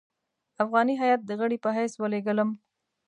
افغاني هیات د غړي په حیث ولېږلم.